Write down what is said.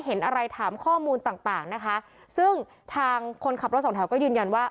เห็นอะไรถามข้อมูลต่างต่างนะคะซึ่งทางคนขับรถสองแถวก็ยืนยันว่า